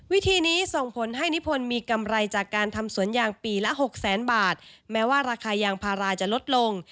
วิธีนี้ส่งผลให้นิพนธ์มีกำไรจากการทำสวนยางปีละหกแสนบาทแม้ว่าราคายางพาราจะลดลง